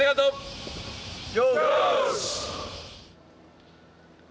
よし！